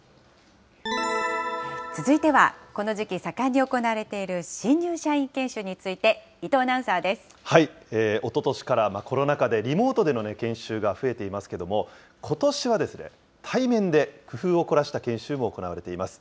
続いてはこの時期盛んに行われている新入社員研修について、おととしからコロナ禍でリモートでの研修が増えていますけれども、ことしは対面で工夫を凝らした研修も行われています。